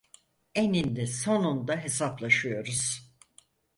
Eninde sonunda hesaplaşıyoruz.